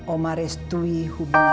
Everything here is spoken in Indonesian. omah restui hubungan